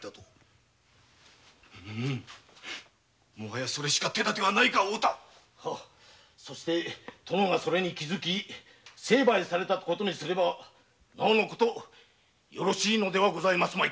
うむもはやそれしか方法はないか太田そして殿がそれに気づき成敗されたことにすればなおのことよろしいかと存じます。